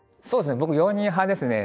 僕容認派ですね。